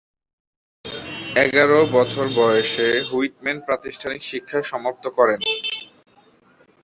এগারো বছর বয়সে হুইটম্যান প্রাতিষ্ঠানিক শিক্ষা সমাপ্ত করেন।